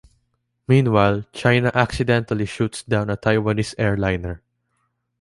Meanwhile, China "accidentally" shoots down a Taiwanese airliner.